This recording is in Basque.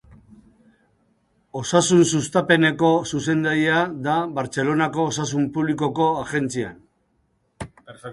Osasun Sustapeneko zuzendaria da Bartzelonako Osasun Publikoko Agentzian.